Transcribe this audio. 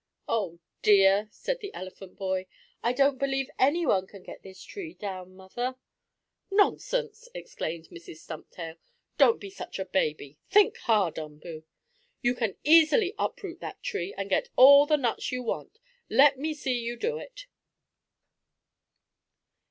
"Oh, dear!" said the elephant boy. "I don't believe anyone can get this tree down, Mother!" "Nonsense!" exclaimed Mrs. Stumptail. "Don't be such a baby. Think hard, Umboo! You can easily uproot that tree and get all the nuts you want. Let me see you do it!"